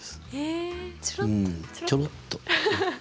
うんちょろっと。